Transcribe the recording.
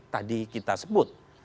tadi kita sebut